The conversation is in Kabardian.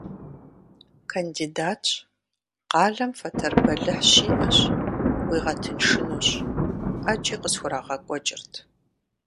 Кандидатщ, къалэм фэтэр бэлыхь щиӏэщ, уигъэтыншынущ — ӏэджи къысхурагъэкӏуэкӏырт.